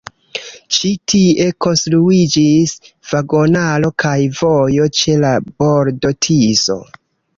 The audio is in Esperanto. Ĉi tie konstruiĝis vagonaro kaj vojo ĉe la bordo Tiso.